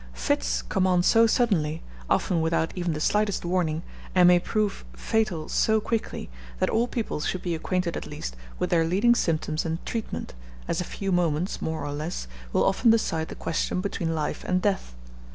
Fits come on so suddenly, often without even the slightest warning, and may prove fatal so quickly, that all people should be acquainted at least with their leading symptoms and treatment, as a few moments, more or less, will often decide the question between life and death.